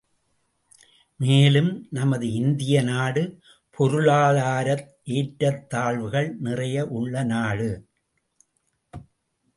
மேலும், நமது இந்திய நாடு பொருளாதார ஏற்றத் தாழ்வுகள் நிறைய உள்ள நாடு.